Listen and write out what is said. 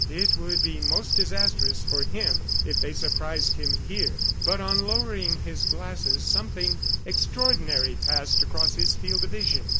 It would be most disastrous for him if they surprised him here. But on lowering his glasses something extraordinary passed across his field of vision.